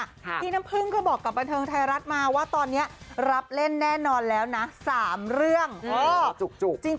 พี่น้ำพึ่งก็บอกกับบันเทิงไทยรัฐมาว่าตอนนี้รับเล่นแน่นอนแล้วนะ๓เรื่องจุก